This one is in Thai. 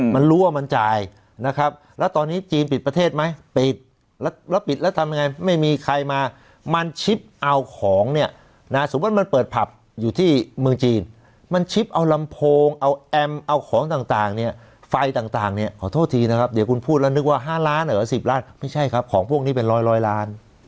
มันรู้ว่ามันจ่ายนะครับแล้วตอนนี้จีนปิดประเทศไหมปิดแล้วปิดแล้วทำยังไงไม่มีใครมามันชิปเอาของเนี่ยนะสมมุติมันเปิดผับอยู่ที่เมืองจีนมันชิปเอาลำโพงเอาแอมเอาของต่างเนี่ยไฟต่างเนี่ยขอโทษทีนะครับเดี๋ยวคุณพูดแล้วนึกว่า๕ล้านเหรอ๑๐ล้านไม่ใช่ครับของพวกนี้เป็นร้อยล้าน